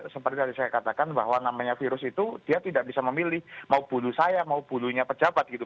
seperti tadi saya katakan bahwa namanya virus itu dia tidak bisa memilih mau bulu saya mau bulunya pejabat gitu